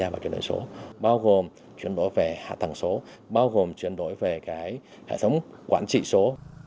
bao gồm chuyển đổi về hạ tầng số bao gồm chuyển đổi về hệ thống quản trị số